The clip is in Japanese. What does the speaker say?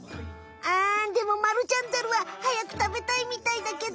あでもまるちゃんザルははやくたべたいみたいだけど。